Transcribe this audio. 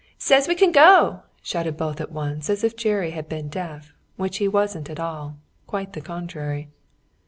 "Says we can go!" shouted both at once, as if Jerry had been deaf, which he wasn't at all quite the contrary.